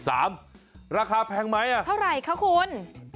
ราคาแพงไหมอะเท่าไรครับคุณ